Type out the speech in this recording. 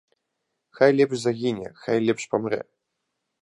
Хай лепш загіне, хай лепш памрэ.